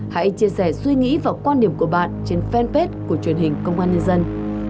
hãy chia sẻ suy nghĩ và quan điểm của bạn trên fanpage của truyền hình công an nhân dân